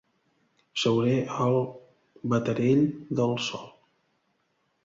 Seure al baterell del sol.